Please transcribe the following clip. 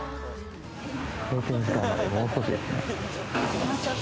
閉店時間までもう少し。